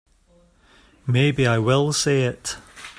Maybe I will say it.